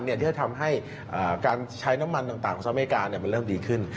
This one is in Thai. ที่จะทำให้การใช้น้ำมันต่างของสหรัฐอเมริกามันเริ่มดีขึ้น